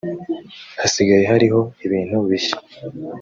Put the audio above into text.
hasigaye hariho ibintu bishya.